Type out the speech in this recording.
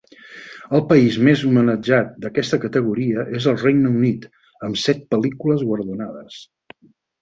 El país més homenatjat d'aquesta categoria és el Regne Unit, amb set pel·lícules guardonades.